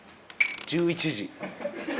１１時。